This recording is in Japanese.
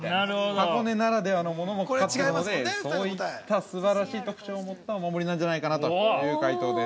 箱根ならではのものもかかってるのでそういったすばらしい特徴を持ったお守りなんじゃないかなという解答です。